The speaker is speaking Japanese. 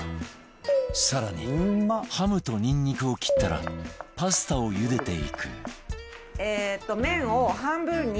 更にハムとにんにくを切ったらパスタをゆでていく